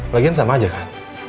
lagian sama saja bukan